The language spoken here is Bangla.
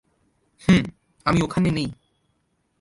হুম, আমি ওখানে নেই।